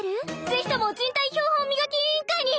ぜひとも人体標本磨き委員会に！